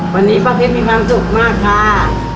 วันนี้ป้าเพชรมีความสุขมากค่ะ